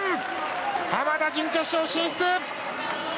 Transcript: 濱田、準決勝進出！